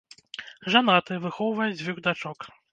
Жанаты, выхоўвае дзвюх дачок.